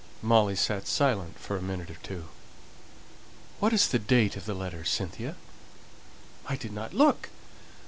Molly sat silent for a minute or two. "What is the date of the letter, Cynthia?" "I didn't look.